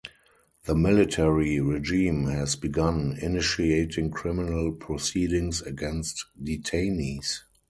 The military regime has begun initiating criminal proceedings against detainees.